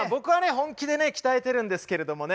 本気でね鍛えてるんですけれどもね。